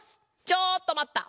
ちょっとまった！